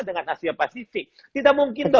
dengan asia pasifik tidak mungkin